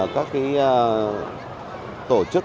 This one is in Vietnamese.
các tổ chức